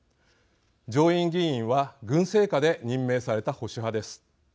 上院議員は軍政下で任命された保守派です。